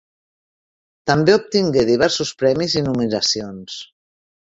També obtingué diversos premis i nominacions.